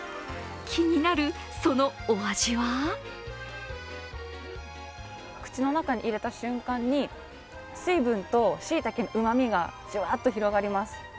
気になる、そのお味は口の中に入れた瞬間に、水分としいたけのうまみがじゅわーっと広がります。